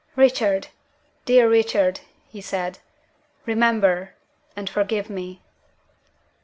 "Richard! dear Richard!" he said. "Remember and forgive me."